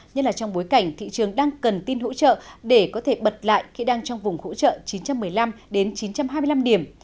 như là trong bối cảnh thị trường đang cần tin hỗ trợ để có thể bật lại khi đang trong vùng hỗ trợ chín trăm một mươi năm đến chín trăm hai mươi năm điểm